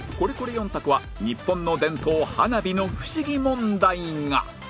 ４択は日本の伝統花火の不思議問題が